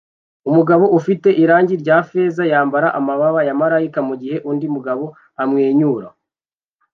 Umugabo ufite irangi rya feza yambara amababa ya malayika mugihe undi mugabo amwenyura